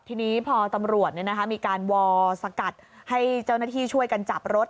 ทีนี้พอตำรวจมีการวอลสกัดให้เจ้าหน้าที่ช่วยกันจับรถ